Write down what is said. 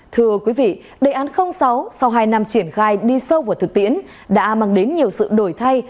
thưa quý vị đề án sáu sau hai năm triển khai đi sâu vào thực tiễn đã mang đến nhiều sự đổi thay